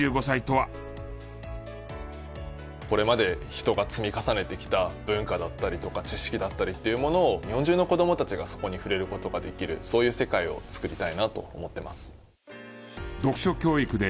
これまで人が積み重ねてきた文化だったりとか知識だったりっていうものを日本中の子どもたちがそこに触れる事ができるそういう世界を作りたいなと思ってます。